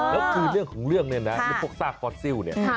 แล้วคือเรื่องของเรื่องเนี่ยนะพวกซากฟอสซิลเนี่ย